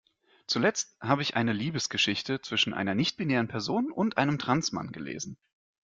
Zuletzt habe ich eine Liebesgeschichte zwischen einer nichtbinären Person und einem Trans-Mann gelesen.